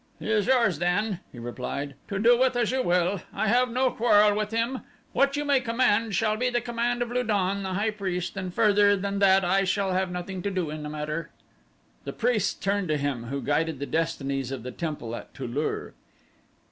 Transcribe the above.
"He is yours then," he replied, "to do with as you will. I have no quarrel with him. What you may command shall be the command of Lu don, the high priest, and further than that I shall have nothing to do in the matter." The priests turned to him who guided the destinies of the temple at Tu lur.